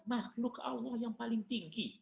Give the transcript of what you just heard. makhluk allah yang paling tinggi